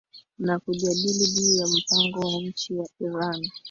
na kujadili juu ya mpango wa nchi ya iran